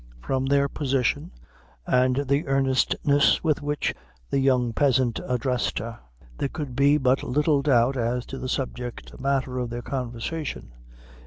From their position, and the earnestness with which the young peasant addressed her, there could be but little doubt as to the subject matter of their conversation.